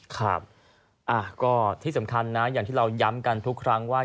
ครับก็ที่สำคัญนะอย่างที่เราย้ำกันทุกครั้งว่า